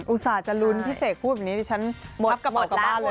อุตส่าห์จะลุ้นพี่เสกพูดแบบนี้ฉันหมดกระเป๋ากระเป๋าเลย